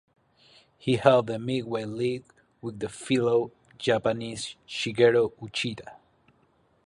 He held the midway lead with fellow Japanese Shigeru Uchida.